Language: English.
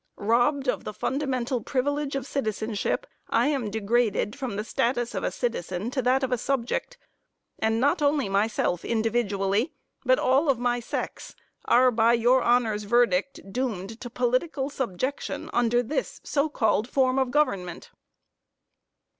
Robbed of the fundamental privilege of citizenship, I am degraded from the status of a citizen to that of a subject; and not only myself individually, but all of my sex, are, by your honor's verdict, doomed to political subjection under this, so called, form of government.